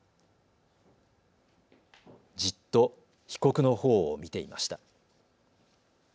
じっと被告のほうを見ていました。